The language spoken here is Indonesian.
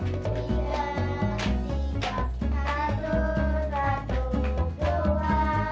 tiga tiga satu satu dua tiga